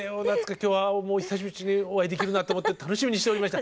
今日はお久しぶりにお会いできるなと思って楽しみにしておりました。